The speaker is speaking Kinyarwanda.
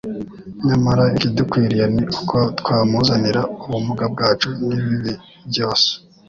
Nyamara ikidukwiriye ni uko twamuzanira ubumuga bwacu n'ibibi byose.